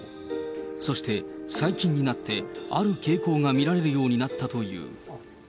そして最近になって、ある傾向が見られるようになったという。